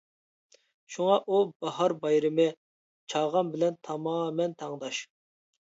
شۇڭا ئۇ باھار بايرىمى، چاغان بىلەن تامامەن تەڭداش.